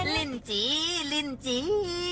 ลินจี้ลินจี้